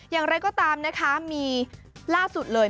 อย่างไรก็ตามนะคะมีล่าสุดเลย